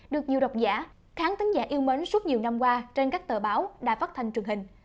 được nhiều đọc giả kháng tính giả yêu mến suốt nhiều năm qua trên các tờ báo đà phát thanh trường hình